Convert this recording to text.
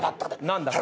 何だ？